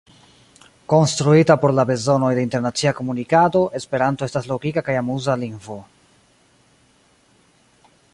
Konstruita por la bezonoj de internacia komunikado, esperanto estas logika kaj amuza lingvo.